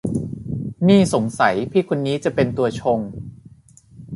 นี่สงสัยพี่คนนี้จะเป็นตัวชง